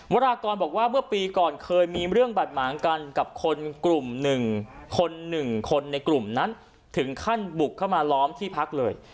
วรากรบอกว่าเมื่อปีก่อนเคยมีเรื่องบาดหมางกันกับคนกลุ่มหนึ่งคนหนึ่งคนในกลุ่มนั้นถึงขั้นบุกเข้ามาล้อมที่พักเลย